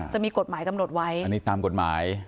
จะมีกฎหมายกำหนดไว้อันนี้ตามกฎหมาย